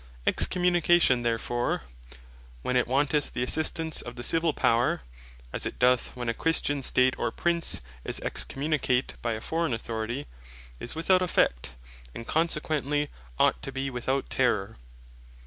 Excommunication therefore when it wanteth the assistance of the Civill Power, as it doth, when a Christian State, or Prince is Excommunicate by a forain Authority, is without effect; and consequently ought to be without terrour.